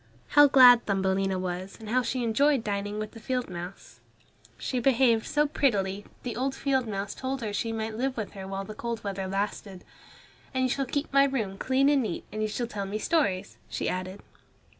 How glad Thumbelina was, and how she enjoyed dining with the field mouse. She behaved so prettily that the old field mouse told her she might live with her while the cold weather lasted. "And you shall keep my room clean and neat, and you shall tell me stories," she added.